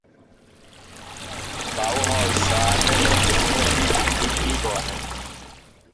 Ba ú hɔ̂ isǎ nɛ́nɛ́ ni kwɛ́n ígi í bíí bɔɔnɛ́.